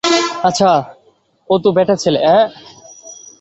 আচ্ছা, ও তো ব্যাটাছেলে, অ্যাঁ?